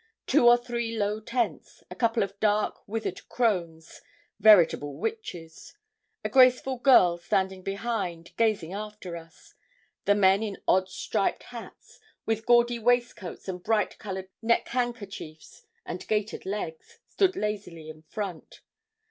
Two or three low tents; a couple of dark, withered crones, veritable witches; a graceful girl standing behind, gazing after us; and men in odd shaped hats, with gaudy waistcoats and bright coloured neck handkerchiefs and gaitered legs, stood lazily in front.